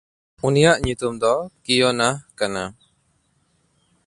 ᱩᱱᱤᱭᱟᱜ ᱧᱩᱛᱩᱢ ᱫᱚ ᱠᱤᱭᱚᱱᱟᱦ ᱠᱟᱱᱟ᱾